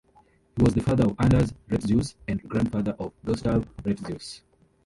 He was the father of Anders Retzius and grandfather of Gustaf Retzius.